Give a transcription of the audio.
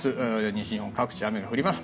西日本各地、雨が降ります。